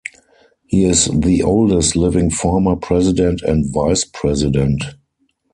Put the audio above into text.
He is the oldest living former President and Vice President.